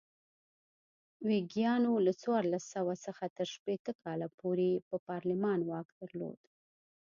ویګیانو له څوارلس سوه څخه تر شپېته کاله پورې پر پارلمان واک درلود.